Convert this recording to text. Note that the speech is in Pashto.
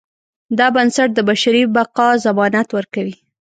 دا بنسټ د بشري بقا ضمانت ورکوي.